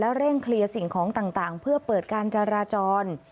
เร่งเคลียร์สิ่งของต่างเพื่อเปิดการจราจร